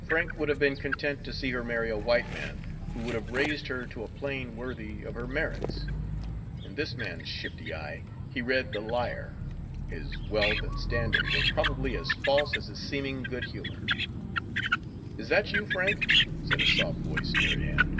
Frank would have been content to see her marry a white man, who would have raised her to a plane worthy of her merits. In this man's shifty eye he read the liar his wealth and standing were probably as false as his seeming good humor. "Is that you, Frank?" said a soft voice near at hand.